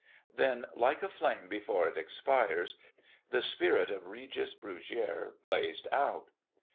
Then, like a flame before it expires, the spirit of Regis Brugiere blazed out.